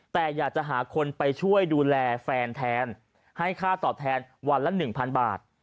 แต่อยากจะหาคนไปช่วยดูแลแฟนแทนให้ค่าตอบแทนวันละ๑๐๐บาท